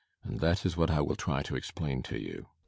And that is what I will try to explain to you.